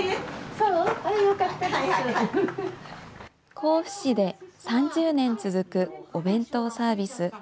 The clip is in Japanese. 甲府市で３０年続くお弁当サービス。